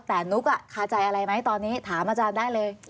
แต่นุ๊กคาใจอะไรไหมตอนนี้ถามอาจารย์ได้เลย